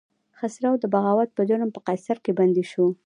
خسرو د بغاوت په جرم په قصر کې بندي شو.